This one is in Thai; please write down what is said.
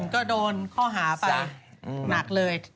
ก็โดนข้อหาไปหนักเลย